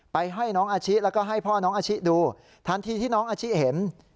ให้น้องอาชิแล้วก็ให้พ่อน้องอาชิดูทันทีที่น้องอาชิเห็น